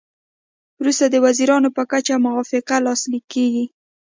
وروسته د وزیرانو په کچه موافقه لاسلیک کیږي